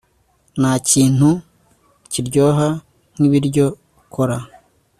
Ntakintu kiryoha nkibiryo ukora